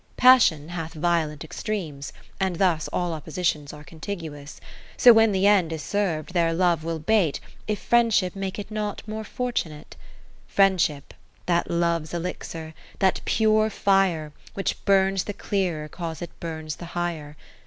Passion hath violent extremes, and thus All oppositions are contiguous. So when the end is serv'd their Love will bate, If Friendship make it not more fortunate : Friendship, that Love's elixir, that pure fire Which burns the clearer 'cause it burns the higher.